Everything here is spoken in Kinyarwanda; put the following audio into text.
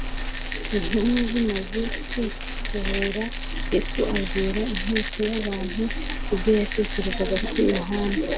Intumwa zimaze kwikubura Yesu abwira inteko y'abantu ibyo yatekerezaga kuri Yohana.